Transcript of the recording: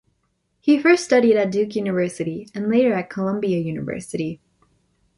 He first studied at Duke University, and later at Columbia University.